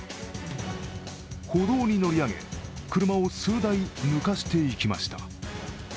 歩道に乗り上げ、車を数台抜かしていきました。